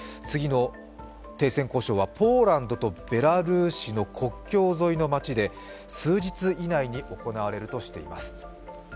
次の停戦交渉はポーランドとベラルーシの国境沿いの街で数日以内に行われるとしています。